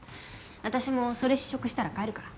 私もそれ試食したら帰るから。